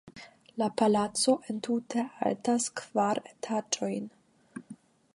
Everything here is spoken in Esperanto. La palaco entute altas kvar etaĝojn.